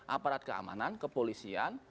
aparat keamanan kepolisian